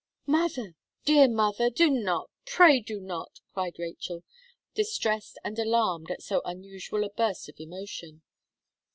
"Mother, dear mother, do not, pray do not!" cried Rachel, distressed and alarmed at so unusual a burst of emotion.